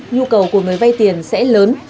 nhu cầu của người vay tiền sẽ lớn